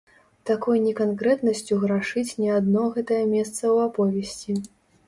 Такой неканкрэтнасцю грашыць не адно гэтае месца ў аповесці.